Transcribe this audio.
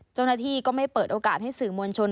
เจ้าหน้าที่ก็ไม่เปิดโอกาสให้สื่อมวลชน